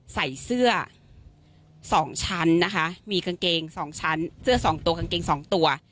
ใส่เสื้อสองชั้นนะคะมีกางเกงสองชั้นเสื้อสองตัวกางเกงสองตัว